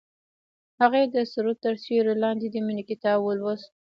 هغې د سرود تر سیوري لاندې د مینې کتاب ولوست.